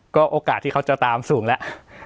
ก็โอกาสที่เขาจะตามสูงแล้ว